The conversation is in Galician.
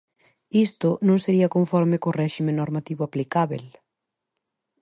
Isto non sería conforme co réxime normativo aplicábel.